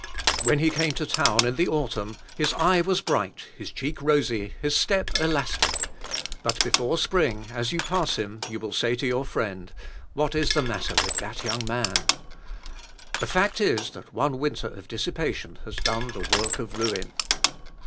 When he came to town in the autumn, his eye was bright, his cheek rosy, his step elastic; but, before spring, as you pass him you will say to your friend, "What is the matter with that young man?" The fact is that one winter of dissipation has done the work of ruin.